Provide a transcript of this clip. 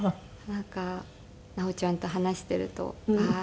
「なんか奈緒ちゃんと話しているとああー